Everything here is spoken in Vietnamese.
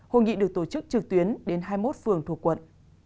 hội nghị được tổ chức trực tuyến đến hai mươi một phường thuộc quận